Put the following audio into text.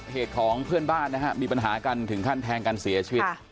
เหตุของเพื่อนบ้านนะฮะมีปัญหากันถึงขั้นแทงกันเสียชีวิต